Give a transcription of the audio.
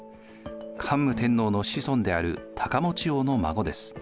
桓武天皇の子孫である高望王の孫です。